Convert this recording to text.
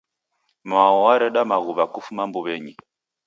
Mao wareda maghuw'a kufuma mbuwenyi